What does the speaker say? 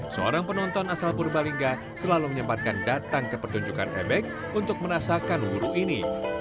seorang penonton asal purbalingga selalu menyempatkan datang ke pertunjukan ebek untuk merasakan wuru ini